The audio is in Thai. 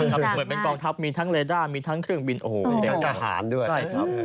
เหมือนกองทัพมีทั้งเลด้ามีทั้งเครื่องบินโอ้โหเดี๋ยวกับทหารด้วย